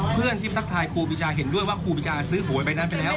เพื่อนที่ทักทายครูปีชาเห็นด้วยว่าครูปีชาซื้อหวยใบนั้นไปแล้ว